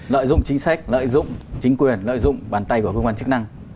lợi dụng chính sách lợi dụng chính quyền lợi dụng bàn tay của cơ quan chức năng